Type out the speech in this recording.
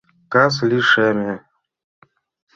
Кас лишеме.